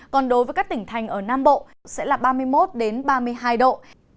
còn đối với các tỉnh thành ở nam bộ sẽ là ba mươi một ba mươi hai độ